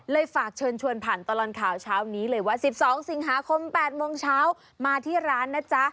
ฝากเชิญชวนผ่านตลอดข่าวเช้านี้เลยว่า๑๒สิงหาคม๘โมงเช้ามาที่ร้านนะจ๊ะ